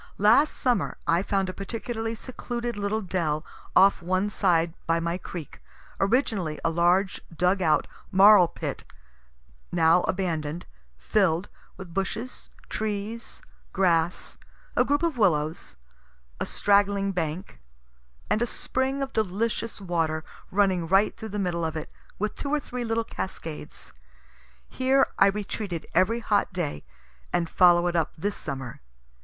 Last summer I found a particularly secluded little dell off one side by my creek, originally a large dug out marl pit, now abandon'd, fill'd, with bushes, trees, grass, a group of willows, a straggling bank, and a spring of delicious water running right through the middle of it, with two or three little cascades. Here I retreated every hot day, and follow it up this summer.